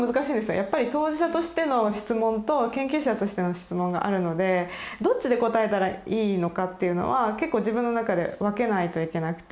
やっぱり当事者としての質問と研究者としての質問があるのでどっちで答えたらいいのかっていうのは結構自分の中で分けないといけなくて。